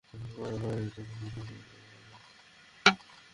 বুধবার রাতে কিশোরীর খালা কাফরুল থানায় শাওনকে আসামি করে মামলা করেন।